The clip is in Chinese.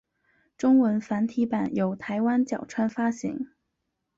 中文繁体版由台湾角川发行。